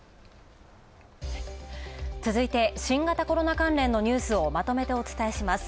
続いて新型コロナ関連のニュースをまとめてお伝えします。